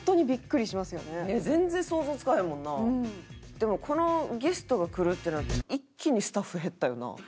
でもこのゲストが来るってなって一気にスタッフ減ったよな？